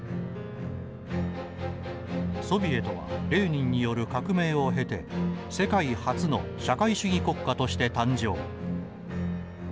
ソビエトはレーニンによる革命を経て世界初の社会主義国家として誕生。